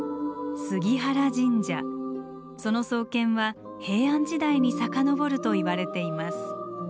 その創建は平安時代に遡るといわれています。